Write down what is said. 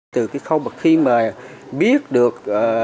từ cái khâu bậc khi mà biết được